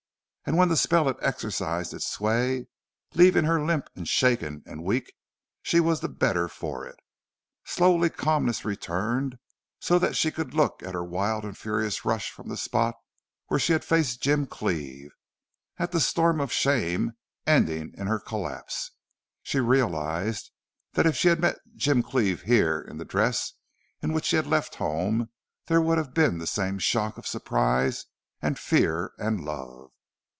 And when the spell had exercised its sway, leaving her limp and shaken and weak, she was the better for it. Slowly calmness returned so that she could look at her wild and furious rush from the spot where she had faced Jim Cleve, at the storm of shame ending in her collapse. She realized that if she had met Jim Cleve here in the dress in which she had left home there would have been the same shock of surprise and fear and love.